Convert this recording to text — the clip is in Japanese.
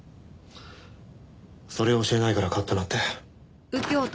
それを教えないからカッとなって。